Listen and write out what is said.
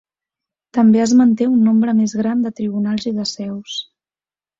També es manté un nombre més gran de tribunals i de seus.